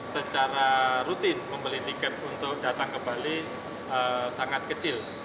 secara rutin membeli tiket untuk datang ke bali sangat kecil